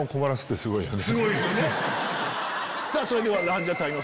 それでは。